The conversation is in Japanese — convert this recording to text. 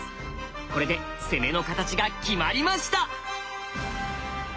これで攻めの形が決まりました。